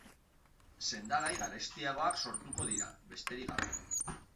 Sendagai garestiagoak sortuko dira, besterik gabe.